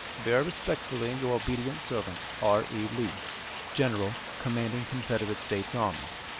Very respectfully, Your obedient servant, R. E. LEE, General Commanding Confederate States Army.